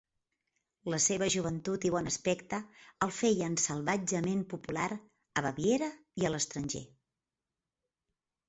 La seva joventut i bon aspecte el feien salvatgement popular a Baviera i a l'estranger.